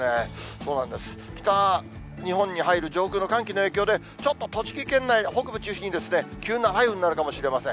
そうなんです、北日本に入る上空の寒気の影響で、ちょっと栃木県内、北部中心にですね、急な雷雨になるかもしれません。